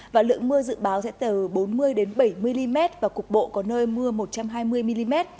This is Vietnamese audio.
và lượng mưa dự báo sẽ từ bốn mươi bảy mươi mm và cục bộ có nơi mưa một trăm hai mươi mm